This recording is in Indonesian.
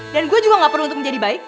dan gue juga gak perlu untuk menjadi baik